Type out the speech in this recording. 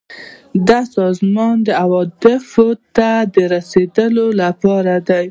دا د سازمان اهدافو ته د رسیدو لپاره دي.